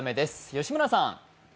吉村さん。